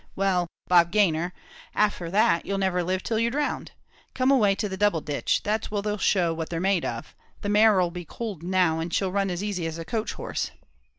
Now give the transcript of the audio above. Well, Bob Gayner, afther that you'll never live till you're drowned! Come away to the double ditch; that's where they'll show what they're made of the mare'll be cooled now, and she'll run as easy as a coach horse."